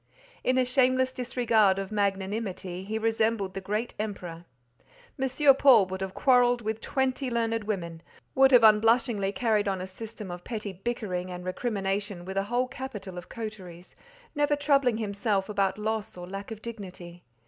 In a shameless disregard of magnanimity, he resembled the great Emperor. M. Paul would have quarrelled with twenty learned women, would have unblushingly carried on a system of petty bickering and recrimination with a whole capital of coteries, never troubling himself about loss or lack of dignity.